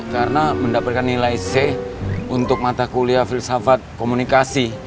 karena mendapatkan nilai c untuk mata kuliah filsafat komunikasi